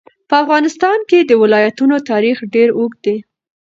په افغانستان کې د ولایتونو تاریخ ډېر اوږد دی.